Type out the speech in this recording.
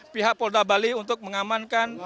pihak polda bali untuk mengamankan